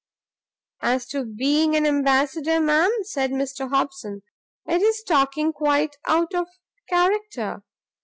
"As to being an Ambassador, ma'am," said Mr Hobson, "it's talking quite out of character.